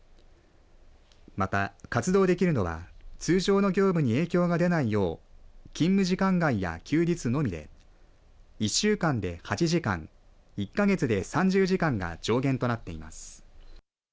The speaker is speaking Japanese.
また、活動できるのは通常の業務に影響が出ないよう勤務時間外や休日のみで一週間で８時間１か月で３０時間が上限となっています。